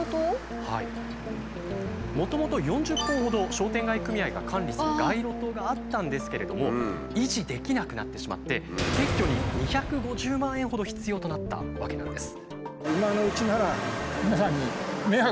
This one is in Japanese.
もともと４０本ほど商店街組合が管理する街路灯があったんですけれども維持できなくなってしまって撤去に２５０万円ほど必要となったわけなんです。